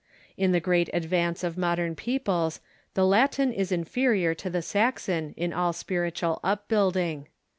In the great advance of modern peoples the Latin is inferior to the Saxon in all spiritual upbuilding.